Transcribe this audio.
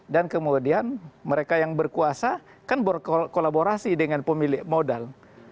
dan kemudian mereka yang berkuasa kan berkolaborasi dengan pemilik modal